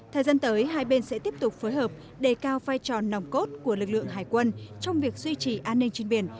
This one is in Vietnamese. thời gian tới hai bên sẽ tiếp tục phối hợp đề cao vai trò nòng cốt của lực lượng hải quân trong việc duy trì an ninh trên biển